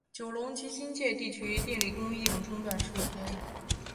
九龙及新界地区电力供应中断数天。